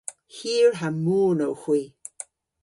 Hir ha moon owgh hwi.